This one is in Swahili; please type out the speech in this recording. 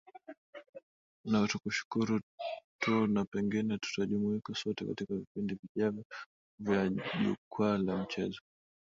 na tukushukuru tu na pengine tutajumuika sote katika vipindi vijavyo vya jukwaa la michezo